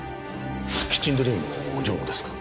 キッチンドリームの常務ですか？